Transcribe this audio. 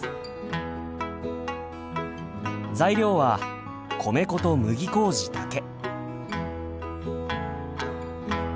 材料は米粉と麦麹だけ。